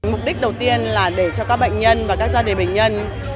mục đích đầu tiên là để cho các bệnh nhân và các gia đình bệnh nhân